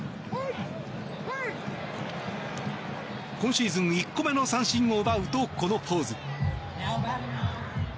今シーズン１個目の三振を奪うとこのポーズ。